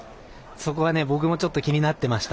そこは僕もちょっと気になってました。